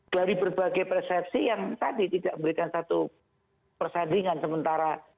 dari berbagai persepsi yang tadi tidak memberikan satu persandingan sementara